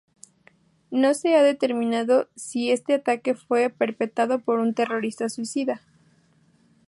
No se ha determinado si este ataque fue perpetrado por un terrorista suicida.